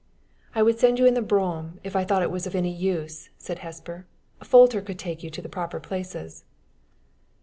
"I would send you in the brougham, if I thought it was of any use," said Hesper. "Folter could take you to the proper places."